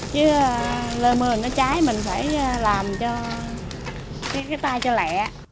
chứ lời mưa nó trái mình phải làm cho cái tay cho lẹ